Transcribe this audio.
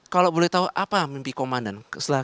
kalau boleh tahu apa mimpi komandan